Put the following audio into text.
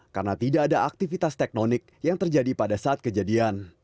karena tidak ada aktivitas teknonik yang terjadi pada saat kejadian